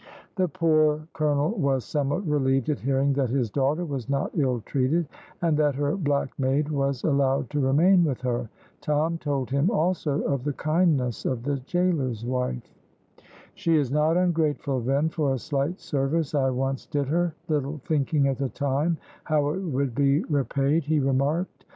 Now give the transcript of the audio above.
The poor colonel was somewhat relieved at hearing that his daughter was not ill treated, and that her black maid was allowed to remain with her. Tom told him also of the kindness of the gaoler's wife. "She is not ungrateful, then, for a slight service I once did her, little thinking at the time how it would be repaid," he remarked.